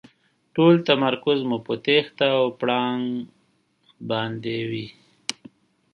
ټول تمرکز مو په تېښته او پړانګ باندې وي.